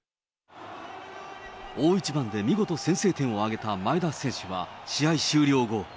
大一番で見事、先制点を挙げた前田選手は試合終了後。